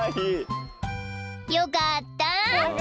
［よかった！］